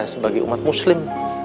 sebagai umat muslim